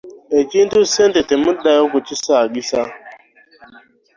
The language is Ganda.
Ekintu ssente temuddayo kukisaagisa.